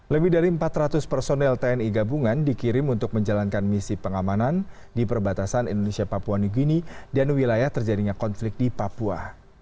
lebih dari empat ratus personel tni gabungan dikirim untuk menjalankan misi pengamanan di perbatasan indonesia papua neguni dan wilayah terjadinya konflik di papua